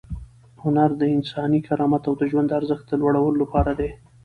هنر د انساني کرامت او د ژوند د ارزښت د لوړولو لپاره دی.